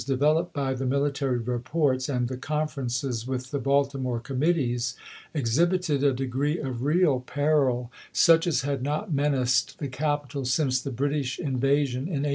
developed by the military reports and the confer ences with the Baltimore committees, exhibited a degree of real peril such as had not menaced the capital since the British invasion in 1814.